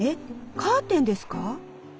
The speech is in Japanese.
カーテンですか？